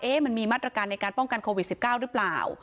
มันมีมาตรการในการป้องกันโควิด๑๙หรือเปล่า